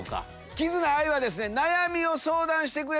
キズナアイはですね。